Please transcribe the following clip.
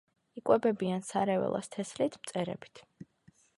იკვებებიან სარეველას თესლით, მწერებით.